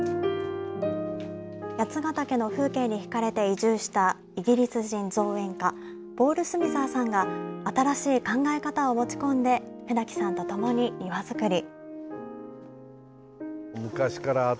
八ヶ岳の風景にひかれて移住したイギリス人造園家、ポール・スミザーさんが新しい考え方を持ち込んで、船木さんと共に庭造り。